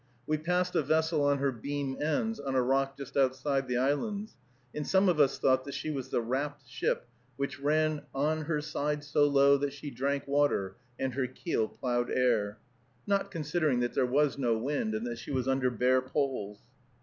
We passed a vessel on her beam ends on a rock just outside the islands, and some of us thought that she was the "rapt ship" which ran "on her side so low That she drank water, and her keel ploughed air," not considering that there was no wind, and that she was under bare poles.